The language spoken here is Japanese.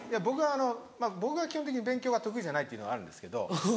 僕があの僕が基本的に勉強が得意じゃないっていうのがあるんですけど。